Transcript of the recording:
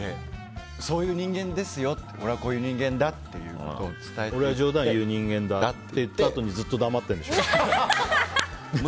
そういう人間ですよ俺はこういう人間だということを俺は冗談を言う人間だって言ったあとにずっと黙ってるんでしょ。